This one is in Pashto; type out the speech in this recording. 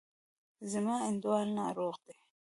زما انډیوال ناروغ دی.